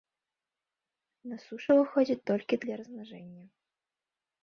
На сушу выходзяць толькі для размнажэння.